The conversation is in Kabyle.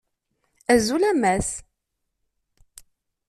Azul a Mass!